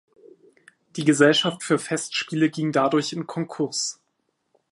Die Gesellschaft für Festspiele ging dadurch in Konkurs.